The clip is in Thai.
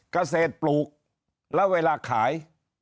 กระเศษปลูกแล้วเวลาขาย